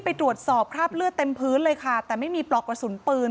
ไปตรวจสอบคราบเลือดเต็มพื้นเลยค่ะแต่ไม่มีปลอกกระสุนปืน